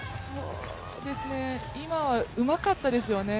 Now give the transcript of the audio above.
今はうまかったですよね。